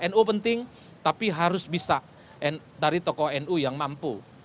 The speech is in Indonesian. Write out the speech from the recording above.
nu penting tapi harus bisa dari tokoh nu yang mampu